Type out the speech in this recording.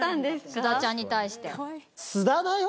須田ちゃんに対して。